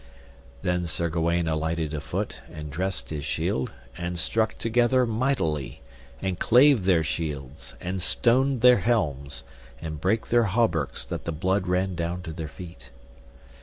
Then Sir Gawaine alighted afoot and dressed his shield, and struck together mightily, and clave their shields, and stoned their helms, and brake their hauberks that the blood ran down to their feet.